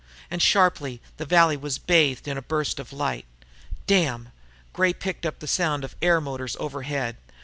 And, sharply, the valley was bathed in a burst of light. "Damn!" Gray picked up the sound of air motors overhead.